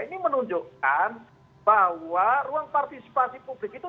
ini menunjukkan bahwa ruang partisipasi publik itu